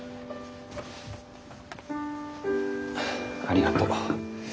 ありがとう。